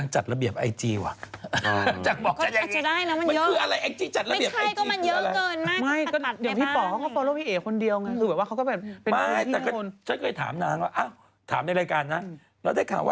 จนมดเนี่ยเดินตามเลยคุณพี่ดำเป็นอะไรครับ